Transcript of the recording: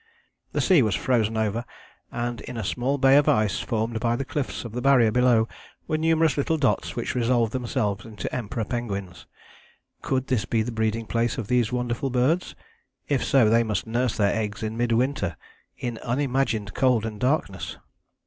The sea was frozen over, and in a small bay of ice formed by the cliffs of the Barrier below were numerous little dots which resolved themselves into Emperor penguins. Could this be the breeding place of these wonderful birds? If so, they must nurse their eggs in mid winter, in unimagined cold and darkness.